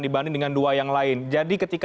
dibanding dengan dua yang lain jadi ketika